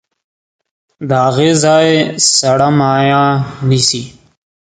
د هغې ځای سړه مایع نیسي.